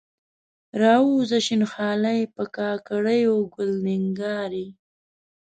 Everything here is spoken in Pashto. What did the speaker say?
راووځه شین خالۍ، په کاکړیو ګل نګارې